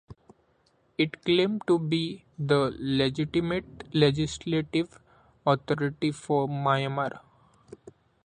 It claimed to be the legitimate legislative authority for Myanmar.